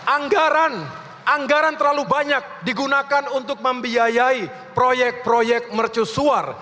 anggaran anggaran terlalu banyak digunakan untuk membiayai proyek proyek mercusuar